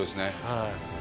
はい。